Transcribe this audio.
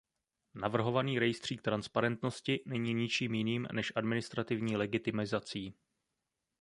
Navrhovaný rejstřík transparentnosti není ničím jiným než administrativní legitimizací.